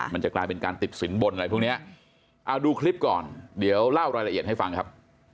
มันจะกลายเป็นการติดสินบนอะไรพวกนี้เอาดูคลิปก่อนเดี๋ยวเล่ารายละเอียดให้ฟังครับ